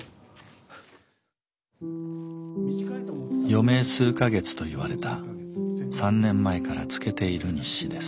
余命数か月と言われた３年前からつけている日誌です。